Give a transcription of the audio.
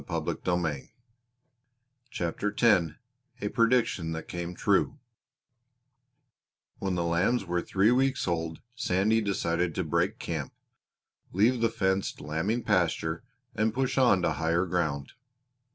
CHAPTER X A PREDICTION THAT CAME TRUE When the lambs were three weeks old Sandy decided to break camp, leave the fenced lambing pasture, and push on to higher ground.